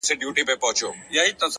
د زړه پاکوالی اړیکې ژوروي.!